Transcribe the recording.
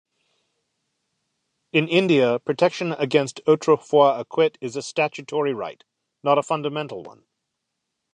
In India, protection against "autrefois acquit" is a statutory right, not a fundamental one.